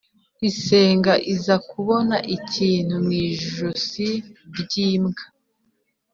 isega iza kubona ikintu mu ijosi ry'imbwa,